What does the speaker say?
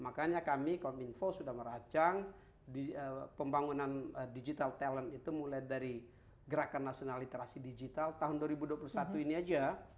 makanya kami kominfo sudah merancang pembangunan digital talent itu mulai dari gerakan nasional literasi digital tahun dua ribu dua puluh satu ini aja